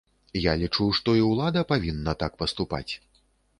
Я лічу, што і ўлада павінна так паступаць.